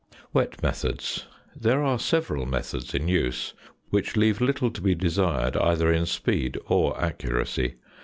WET METHODS. There are several methods in use which leave little to be desired either in speed or accuracy.